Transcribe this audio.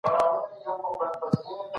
زه له تېرو دوو ساعتونو راهیسې مطالعه کوم.